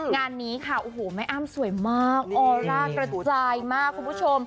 งานนี้ค่ะโอ้โหแม่อ้ำสวยมากออร่ากระจายมากคุณผู้ชม